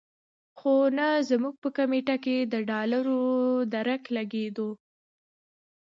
خو نه زموږ په کمېټه کې د ډالرو درک لګېدو.